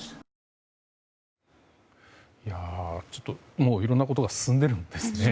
もういろいろなことが進んでいるんですね。